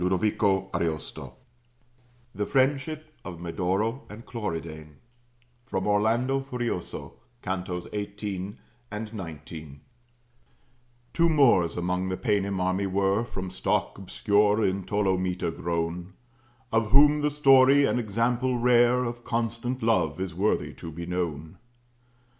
OSCAR KUHNS] THE FRIENDSHIP OF MEDORO AND CLORIDANE From 'Orlando Furioso,' Cantos 18 and 19 Two Moors among the Paynim army were, From stock obscure in Ptolomita grown; Of whom the story, an example rare Of constant love, is worthy to be known.